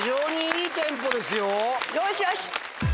よしよし！